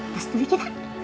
masih sedikit ya